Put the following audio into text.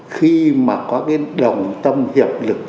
khi mà có đồng tâm hiệp lực